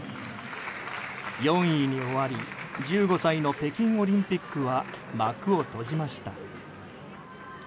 ４位に終わり１５歳の北京オリンピックは幕を閉じました。